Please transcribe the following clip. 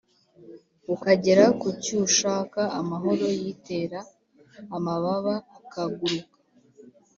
ukagera kucyushaka amahoro yitera amababa akaguruka.